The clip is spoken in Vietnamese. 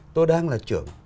tôi đang là trưởng